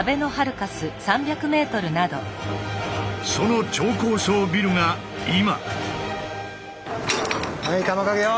その超高層ビルが今。